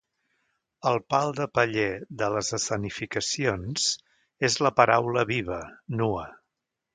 El pal de paller de les escenificacions és la paraula viva, nua.